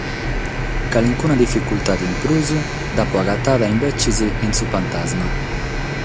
Carchi dificultade in prus l’apo agatada, imbetzes, in “Su pantasma”.